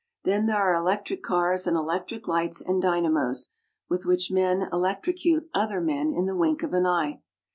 Then there are electric cars and electric lights and dynamos, with which men electricute other men in the wink of an eye.